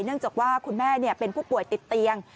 เนื่องจากว่าคุณแม่เป็นผู้ป่วยติดเตียง